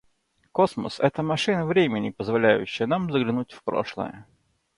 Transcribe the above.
Космос - это машина времени, позволяющая нам заглянуть в прошлое.